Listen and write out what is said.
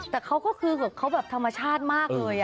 แต่เขาก็คือแบบเขาแบบธรรมชาติมากเลย